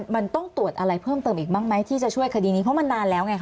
มันต้องตรวจอะไรเพิ่มเติมอีกบ้างไหมที่จะช่วยคดีนี้เพราะมันนานแล้วไงค่ะ